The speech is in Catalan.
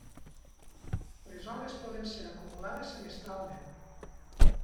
Les hores poden ser acumulades semestralment.